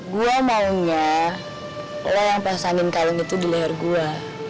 gue mau gak lo yang pasangin kalung itu di leher gue